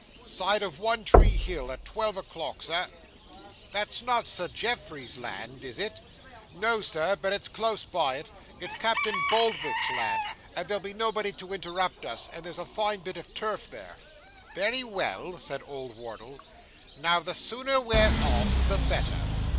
'Side of One tree Hill, at twelve o'clock, Sir.' 'That's not Sir Geoffrey's land, is it?' 'No, Sir; but it's close by it. It's Captain Boldwig's land; but there'll be nobody to interrupt us, and there's a fine bit of turf there.' 'Very well,' said old Wardle. 'Now the sooner we're off the better.